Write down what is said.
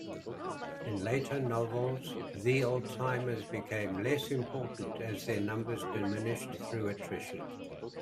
In later novels the Oldtimers become less important as their numbers diminished through attrition.